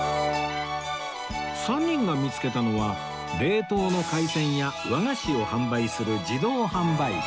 ３人が見つけたのは冷凍の海鮮や和菓子を販売する自動販売機